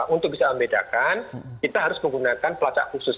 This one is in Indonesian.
untuk bisa membedakan kita harus menggunakan pelacak khusus